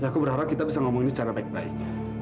aku berharap kita bisa ngomong ini secara baik baik